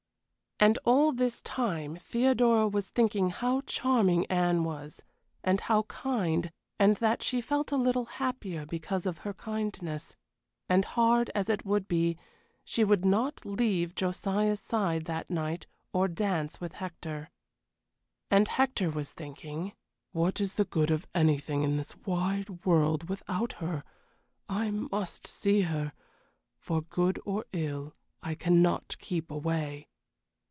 And all this time Theodora was thinking how charming Anne was, and how kind, and that she felt a little happier because of her kindness. And, hard as it would be, she would not leave Josiah's side that night or dance with Hector. And Hector was thinking "What is the good of anything in this wide world without her? I must see her. For good or ill, I cannot keep away."